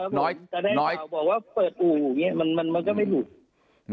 ก็ได้ข่าวบอกว่าเปิดอู่มันก็ไม่ถูก